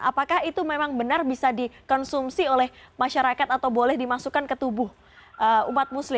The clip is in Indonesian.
apakah itu memang benar bisa dikonsumsi oleh masyarakat atau boleh dimasukkan ke tubuh umat muslim